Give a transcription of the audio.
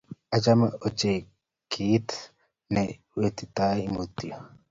Achome ochei kiit ne wetitoi mutyo.